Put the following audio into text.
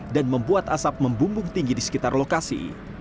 dan membuat asap membumbung tinggi di sekitar lokasi